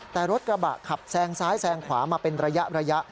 แต่รถกระบะขับแซงซ้ายแซงขวามาเป็นระยะ